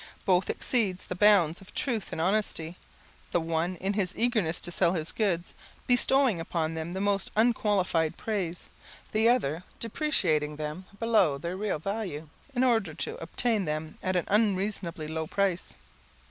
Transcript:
Both exceed the bounds of truth and honesty. The one, in his eagerness to sell his goods, bestowing upon them the most unqualified praise; the other depreciating them below their real value, in order to obtain them at an unreasonably low price.